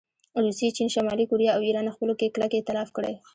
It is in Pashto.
روسیې، چین، شمالي کوریا او ایران خپلو کې کلک ایتلاف کړی